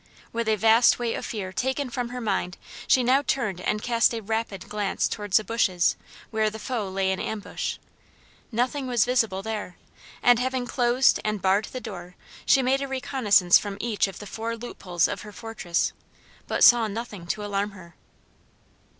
With a vast weight of fear taken from her mind she now turned and cast a rapid, glance towards the bushes where the foe lay in ambush; nothing was visible there, and having closed and barred the door she made a reconnoisance from each of the four loop holes of her fortress, but saw nothing to alarm her.